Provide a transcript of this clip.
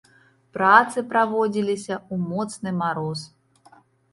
Працы праводзіліся ў моцны мароз.